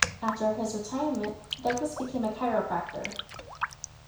After his retirement, Douglas became a chiropractor.